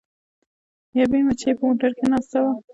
یوې مچۍ په موټر کې ناسته وه.